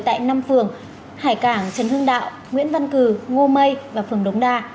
tại năm phường hải cảng trần hương đạo nguyễn văn cử ngô mây và phường đống đà